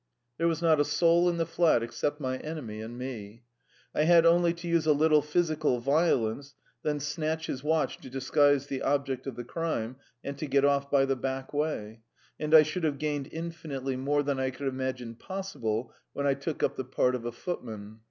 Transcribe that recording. There was not a soul in the flat except my enemy and me. I had only to use a little physical violence, then snatch his watch to disguise the object of the crime, and to get off by the back way, and I should have gained infinitely more than I could have imagined possible when I took up the part of a footman.